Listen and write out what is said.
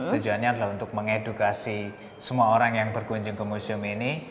tujuannya adalah untuk mengedukasi semua orang yang berkunjung ke museum ini